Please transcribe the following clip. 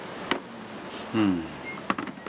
うん。